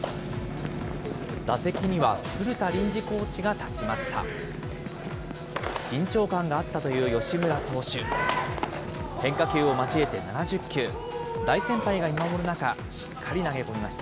打席には古田臨時コーチが立ちました。